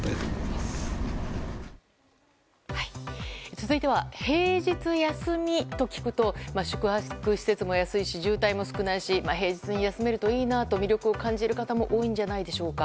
続いては平日休みと聞くと宿泊施設も安いし渋滞も少ないし平日に休めるといいなと魅力を感じる方も多いんじゃないでしょうか。